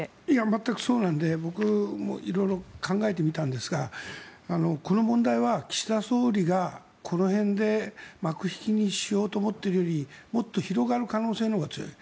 全くそうなので僕も色々、考えてみたんですがこの問題は岸田総理がこの辺で幕引きにしようと思っているよりもっと広がる可能性のほうが強い。